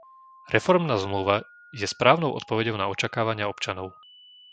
Reformná zmluva je správnou odpoveďou na očakávania občanov.